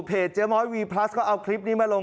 เจ๊ม้อยวีพลัสก็เอาคลิปนี้มาลง